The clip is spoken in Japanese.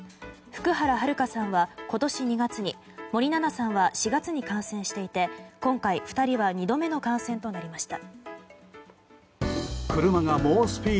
福原遥さんは今年２月に森七菜さんは４月に感染していて今回、２人は２度目の感染となりました。